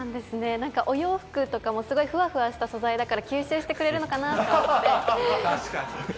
なんかお洋服とかもすごいふわふわした素材だから吸収してくれる確かに。